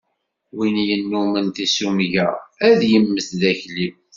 Win yennumen tissumga, ad yemmet d akli.